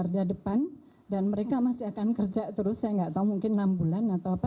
kerja depan dan mereka masih akan kerja terus saya nggak tahu mungkin enam bulan atau apa